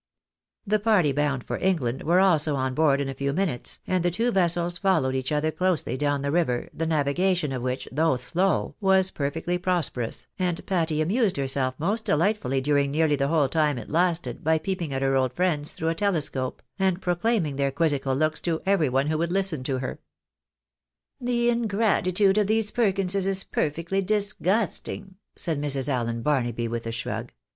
The party bound for England were also on board in a few minutes, and the two vessels followed each other closely down the river, the navigation of which, though slow, was perfectly pro sperous, and Patty amused herself most dehghtfully during nearly the whole time it lasted by peeping at her old friends through a telescope, and proclaiming their quizzical looks to every one who would listen to her. THE BARNABYS IN AMEKTCA. "The ingratitude of these Perkinses is perfectly disgusting! ■' said Mrs. Allen Barnaby with a shrug.